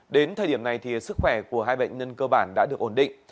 đến thời điểm này sức khỏe của hai bệnh nhân cơ bản đã được ổn định